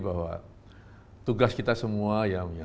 bahwa tugas kita semua